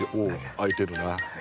開いてるな。